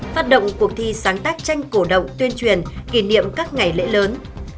phát động cuộc thi sáng tác tranh cổ động tuyên truyền kỷ niệm các ngày lễ lớn